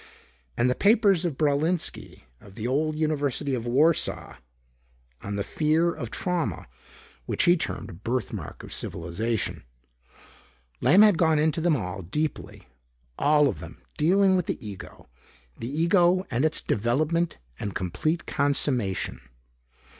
And the papers of Braulinski of the old University of Warsaw on the fear trauma which he termed a birthmark of civilization. Lamb had gone into them all, deeply. All of them dealing with the ego. The ego and its development and complete consummation.